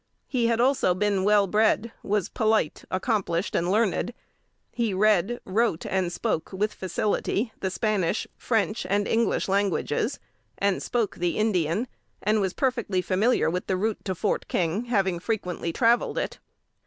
He had also been well bred, was polite, accomplished, and learned. He read, wrote, and spoke, with facility, the Spanish, French, and English languages, and spoke the Indian, and was perfectly familiar with the route to Fort King, having frequently traveled it.